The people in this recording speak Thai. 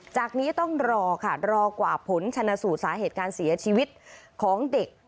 จากนี้ต้องรอค่ะรอกว่าผลชนะสูตรสาเหตุการเสียชีวิตของเด็ก